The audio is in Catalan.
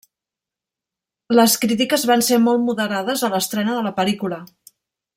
Les crítiques van ser molt moderades a l'estrena de la pel·lícula.